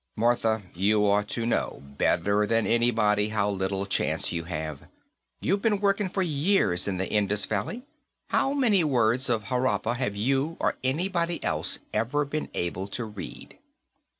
"Martha, you ought to know, better than anybody, how little chance you have. You've been working for years in the Indus Valley; how many words of Harappa have you or anybody else ever been able to read?"